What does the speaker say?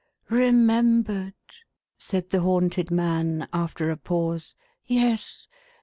" Remembered !" said the haunted man, after a pause. "Yes.